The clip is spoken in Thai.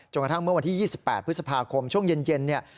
กระทั่งเมื่อวันที่๒๘พฤษภาคมช่วงเย็นเนี่ย